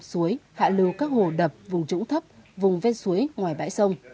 suối hạ lưu các hồ đập vùng trũng thấp vùng ven suối ngoài bãi sông